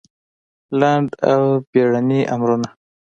لنډ او بېړني امرونه